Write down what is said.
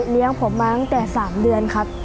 ผมมาตั้งแต่๓เดือนครับ